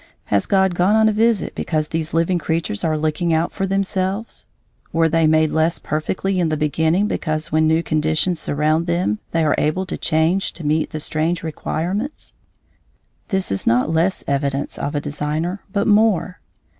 Has God gone on a visit because these living creatures are looking out for themselves? Were they made less perfectly in the beginning because when new conditions surround them they are able to change to meet the strange requirements? This is not less evidence of a Designer, but more.